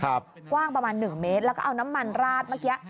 กว้างประมาณหนึ่งเมตรแล้วก็เอาน้ำมันราดเมื่อกี้